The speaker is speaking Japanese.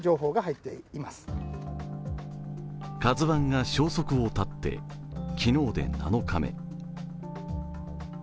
「ＫＡＺＵⅠ」が消息を絶って昨日で７日目。